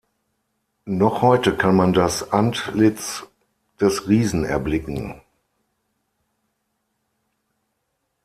Noch heute kann man das Antlitz des Riesen erblicken.